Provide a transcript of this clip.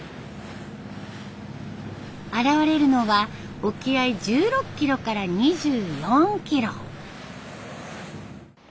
現れるのは沖合１６キロから２４キロ。